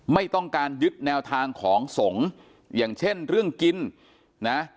ไม่ต้องการยึดแนวทางของสงฆ์อย่างเช่นเรื่องกินนะ